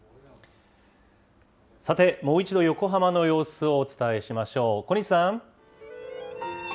さて、もう一度横浜の様子を、お伝えしましょう。